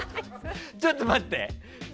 ちょっと待って。